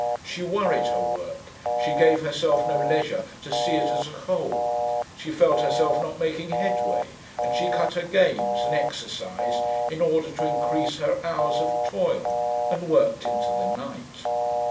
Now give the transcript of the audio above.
She worried her work, she gave herself no leisure to see it as a whole, she felt herself not making headway and she cut her games and exercise in order to increase her hours of toil, and worked into the night.